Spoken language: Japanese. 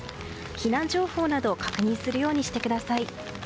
避難情報などを確認するようにしてください。